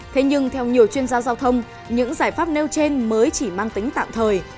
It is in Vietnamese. thế nhưng theo nhiều chuyên gia giao thông những giải pháp nêu trên mới chỉ mang tính tạm thời